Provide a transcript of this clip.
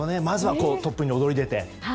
まずはトップに躍り出て。